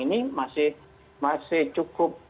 ini masih cukup